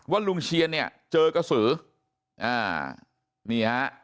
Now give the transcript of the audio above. ลุงเชียนเนี่ยเจอกระสืออ่านี่ฮะ